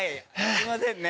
すみませんね。